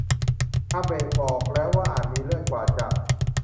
อาเบะบอกแล้วว่าอาจมีเลื่อน กว่าจะ